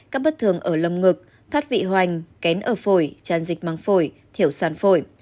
các bất thường ở lâm ngực thoát vị hoành kén ở phổi tràn dịch măng phổi thiểu sản phổi